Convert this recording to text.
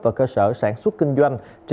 và cơ sở sản xuất kinh doanh